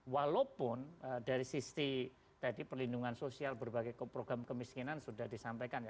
walaupun dari sisi tadi perlindungan sosial berbagai program kemiskinan sudah disampaikan